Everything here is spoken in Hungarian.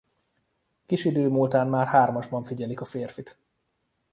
Kis idő múltán már hármasban figyelik a férfit.